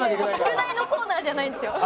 宿題のコーナーじゃないんですよ。